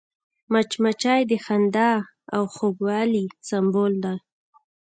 مچمچۍ د خندا او خوږوالي سمبول ده